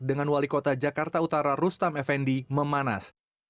dengan wali kota jakarta utara rustam effendi memanas